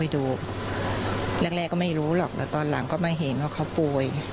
แต่ตอนหลังก็มาเห็นว่าเขาป่วย